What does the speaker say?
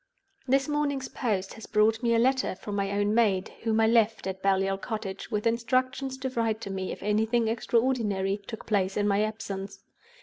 "This morning's post has brought me a letter from my own maid, whom I left at Baliol Cottage, with instructions to write to me if anything extraordinary took place in my absence.